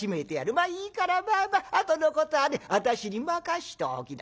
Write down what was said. まあいいからあとのことはね私に任しておきな」。